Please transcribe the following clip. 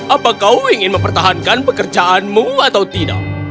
apa kau ingin mempertahankan pekerjaanmu atau tidak